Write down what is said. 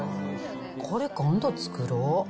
これ、今度作ろう。